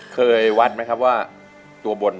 เคยวัดไหมครับว่าตัวบน